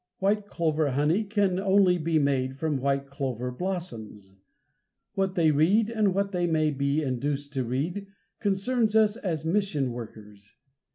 White clover honey can only be made from white clover blossoms. What they read and what they may be induced to read concerns us as mission workers.